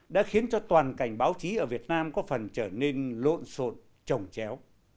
đã khiến cho toàn cảnh báo chí ở việt nam có phần trở nên lộn xộn trồng chéo